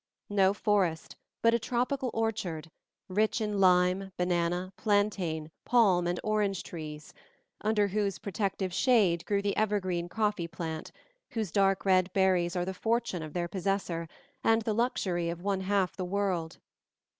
No forest, but a tropical orchard, rich in lime, banana, plantain, palm, and orange trees, under whose protective shade grew the evergreen coffee plant, whose dark red berries are the fortune of their possessor, and the luxury of one half the world.